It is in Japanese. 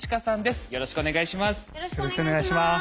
よろしくお願いします。